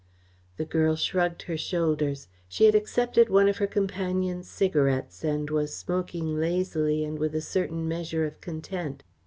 The girl shrugged her shoulders. She had accepted one of her companion's cigarettes and was smoking lazily and with a certain measure of content.